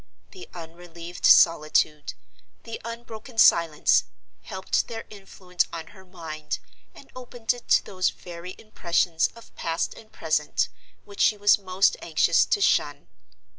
The unrelieved solitude, the unbroken silence, helped their influence on her mind and opened it to those very impressions of past and present which she was most anxious to shun.